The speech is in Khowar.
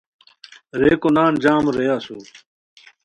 ریکو نان جام رے اسور